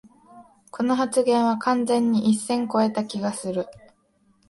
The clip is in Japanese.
この発言は完全に一線こえた気がする